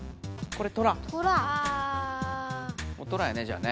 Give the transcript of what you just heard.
これ。